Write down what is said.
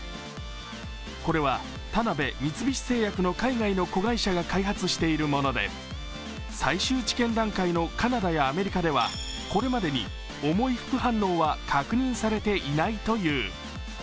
これは田辺三菱製薬の海外の子会社が開発しているもので最終治験段階のカナダやアメリカでは、これまでに重い副反応は確認されていないという。